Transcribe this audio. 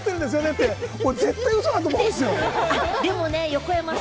って絶対ウソだと思うんですよ。